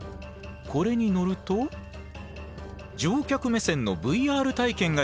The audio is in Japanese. これに乗ると乗客目線のＶＲ体験ができるんです。